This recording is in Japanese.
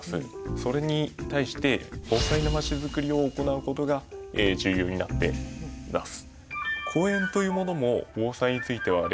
それに対して防災のまちづくりを行うことが重要になっています。